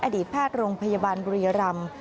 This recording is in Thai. อดีตแพทย์โรงพยาบาลบุรียรำ